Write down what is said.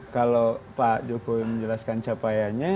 kalau pak jokowi menjelaskan capaiannya